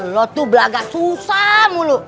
lo tuh beragak susah mulu